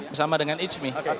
bersama dengan ijmi